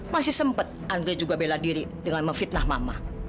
masih sempat andre juga bela diri dengan memfitnah mama